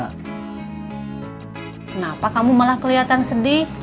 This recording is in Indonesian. kenapa kamu malah kelihatan sedih